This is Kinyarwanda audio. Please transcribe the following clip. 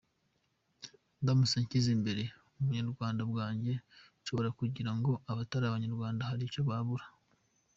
Ndamutse nshyize imbere ubunyarwanda bwanjye, nshobora kugira ngo abatari abanyarwanda hari icyo babura.